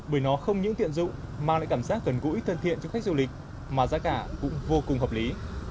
bởi nó không những tiện dụng mang lại cảm giác gần gũi thân thiện cho khách du lịch mà giá cả cũng vô cùng hợp lý